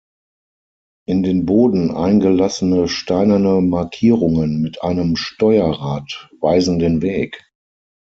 In den Boden eingelassene steinerne Markierungen mit einem Steuerrad weisen den Weg.